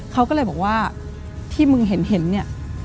เขาก็เลยบอกว่าที่มึงเห็นเนี่ย